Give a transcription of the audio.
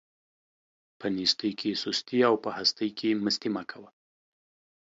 په نيستۍ کې سستي او په هستۍ کې مستي مه کوه.